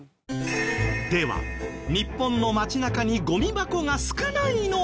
では日本の街中にゴミ箱が少ないのはなぜなのか？